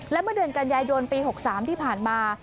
และเมื่อเดือนกันยายนปี๖๓ที่ผ่านมา